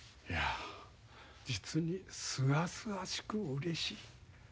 いや実にすがすがしくうれしい。